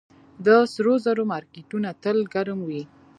د سرو زرو مارکیټونه تل ګرم وي